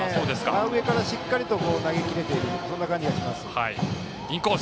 真上からしっかり投げ切れている感じがします。